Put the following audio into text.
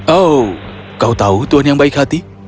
oh kau tahu tuhan yang baik hati